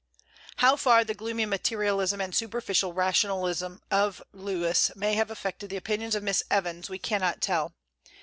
How far the gloomy materialism and superficial rationalism of Lewes may have affected the opinions of Miss Evans we cannot tell.